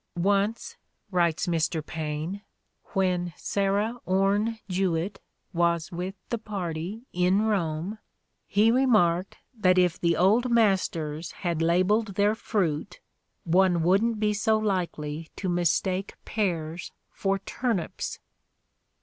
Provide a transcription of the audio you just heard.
"Once," writes Mr. Paine, "when Sarah Orne Jewett was with the party — in Rome — he remarked that if the old mas 124 The Ordeal of Mark Twain ters had labeled their fruit one wouldn't be so likely to mistake pears for turnips.